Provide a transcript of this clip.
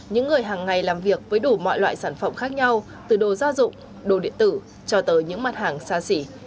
những người hàng ngày làm việc với đủ mọi loại sản phẩm khác nhau từ đồ gia dụng đồ điện tử cho tới những mặt hàng xa xỉ